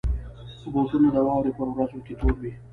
بوټونه د واورې پر ورځو کې تور وي.